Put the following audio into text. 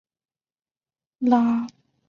拉罗什富科。